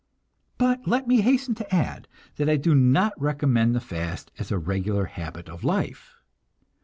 But let me hasten to add that I do not recommend the fast as a regular habit of life.